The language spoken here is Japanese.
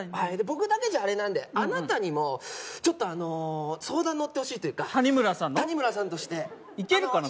僕だけじゃあれなんであなたにもちょっと相談乗ってほしいというか谷村さんの？谷村さんとしていけるかな？